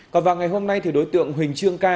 còn vào ngày hôm nay thì đối tượng huỳnh trương ca